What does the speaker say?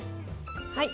はい。